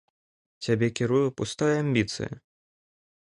Цябе кіруе пустая амбіцыя.